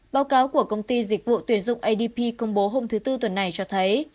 báo cáo của công ty dịch vụ tuyển dụng adp công bố hôm thứ tư tuần này cho thấy